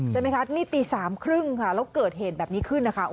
ใช่ไหมคะนี่ตี๓๓๐ค่ะแล้วเกิดเหตุแบบนี้ขึ้นนะคะ